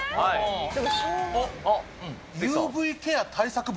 ＵＶケア対策豚？